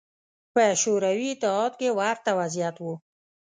په شوروي اتحاد کې ورته وضعیت و